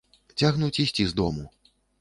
Цягнуць ісці з дому!